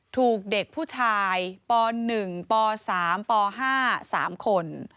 ถูกเด็กผู้ชายป๑ป๓ป๕๓คน